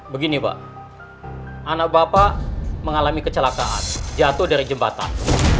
begini pak anak bapak mengalami kecelakaan jatuh dari jembatan